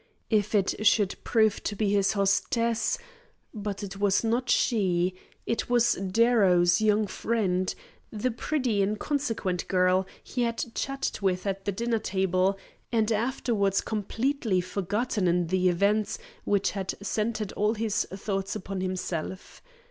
If it should prove to be his hostess But it was not she; it was Darrow's young friend, the pretty inconsequent girl he had chatted with at the dinner table, and afterwards completely forgotten in the events which had centred all his thoughts upon himself.